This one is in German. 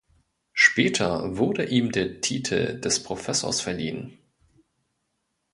Später wurde ihm der Titel des Professors verliehen.